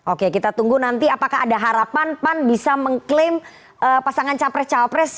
oke kita tunggu nanti apakah ada harapan pan bisa mengklaim pasangan capres capres